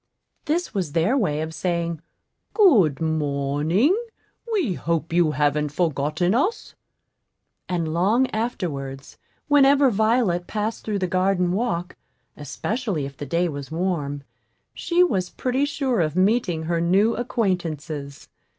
This was their way of saying, "Good morning; we hope you haven't forgotten us." And long afterwards, whenever Violet passed through the garden walk, especially if the day was warm, she was pretty sure of meeting her new acquaintances.